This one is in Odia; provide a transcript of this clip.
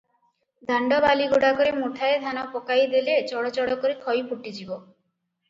ଦାଣ୍ତ ବାଲିଗୁଡ଼ାକରେ ମୁଠାଏ ଧାନ ପକାଇ ଦେଲେ ଚଡ଼ଚଡ଼ କରି ଖଇ ଫୁଟିଯିବ ।